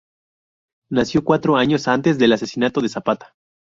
Nació cuatro años antes del asesinato de Zapata.